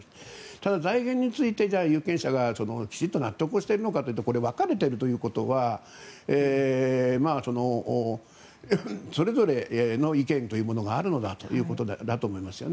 ただ、財源について有権者がきちんと納得をしているのかというとこれ、分かれているということはそれぞれの意見というものがあるんだということだと思います。